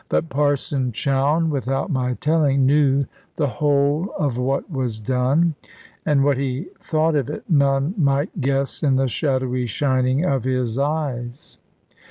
But Parson Chowne, without my telling, knew the whole of what was done; and what he thought of it none might guess in the shadowy shining of his eyes.